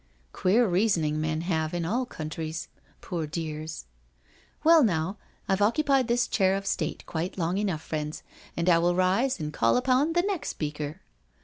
Queer reasoning men have in all countries, poor dears I Well, now, IVe occupied this chair of state quite long enough, friends, and I will rise and call upon the next speaker."